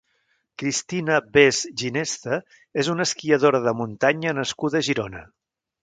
Cristina Bes Ginesta és una esquiadora de muntanya nascuda a Girona.